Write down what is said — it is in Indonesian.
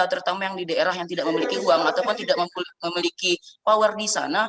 terutama yang di daerah yang tidak memiliki uang ataupun tidak memiliki power di sana